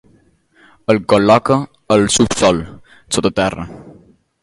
El col·loca al subsòl, sota terra.